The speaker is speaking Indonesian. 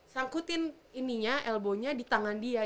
sangkutin ininya elbonya di tangan dia